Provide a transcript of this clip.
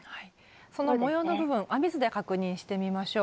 その模様の部分編み図で確認してみましょう。